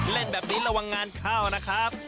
เล่นแบบนี้ระวังงานเข้านะครับ